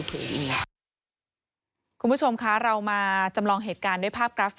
ผู้ชมคะเรามาจำลองเหตุการณ์ความครับ